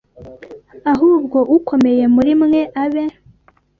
ahubwo ukomeye muri mwe abe